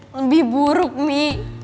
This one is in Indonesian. lebih buruk mi